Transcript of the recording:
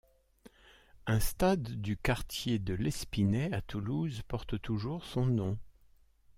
Un stade du quartier de Lespinet à Toulouse porte toujours son nom.